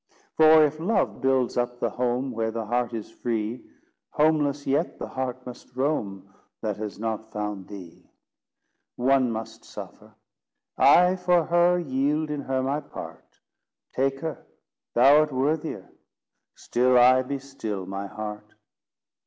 For if love builds up the home, Where the heart is free, Homeless yet the heart must roam, That has not found thee. One must suffer: I, for her Yield in her my part Take her, thou art worthier— Still I be still, my heart!